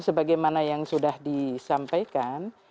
sebagaimana yang sudah disampaikan